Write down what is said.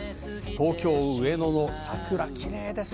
東京・上野の桜、綺麗です。